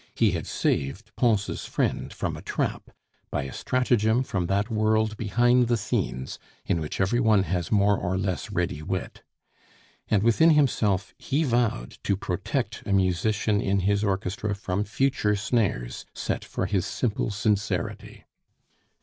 He had saved Pons' friend from a trap, by a stratagem from that world behind the scenes in which every one has more or less ready wit. And within himself he vowed to protect a musician in his orchestra from future snares set for his simple sincerity.